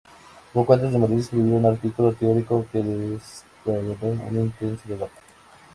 Poco antes de morir, escribió un artículo teórico que desencadenó un intenso debate.